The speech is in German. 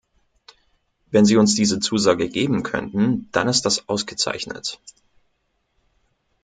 Wenn Sie uns diese Zusage geben könnten, dann ist das ausgezeichnet.